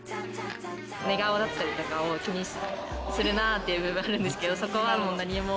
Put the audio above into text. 寝顔だったりとかを気にするなぁっていう部分あるんですけどそこはもう何も。